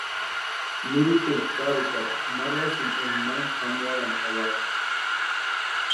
Nurhiteni chkarhukata marhuasïnti énka ma pʼamearhani jawaka.